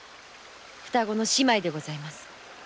双子の姉妹でございます。